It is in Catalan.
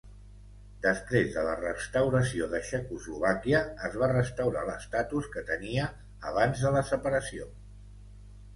Després de la restauració de Txecoslovàquia, es va restaurar l'estatus que tenia abans de la separació.